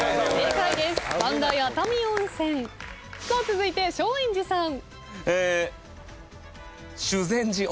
続いて松陰寺さん。